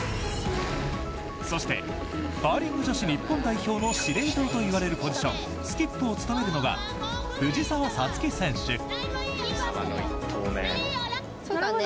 そしてカーリング女子日本代表の司令塔といわれるポジションスキップを務めるのが藤澤五月選手。